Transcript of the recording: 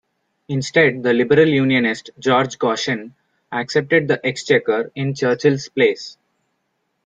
Instead the Liberal Unionist George Goschen accepted the Exchequer in Churchill's place.